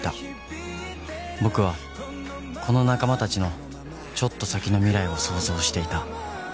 僕はこの仲間たちのちょっと先の未来を想像していた